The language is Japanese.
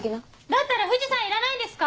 だったら藤さんいらないんですか？